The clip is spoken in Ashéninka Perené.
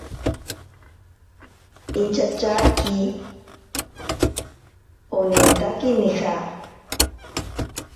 Inchatyake onintake nija.